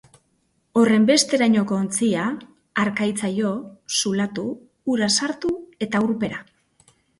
Horrenbesterainoko ontzia, harkaitza jo, zulatu, ura sartu eta urpera.